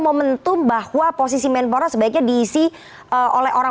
momentum bahwa posisi menpora sebaiknya diisi oleh orang orang profesional yang memiliki kursi menpora